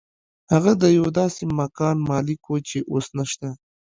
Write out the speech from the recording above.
هغه د یو داسې مکان مالک و چې اوس نشته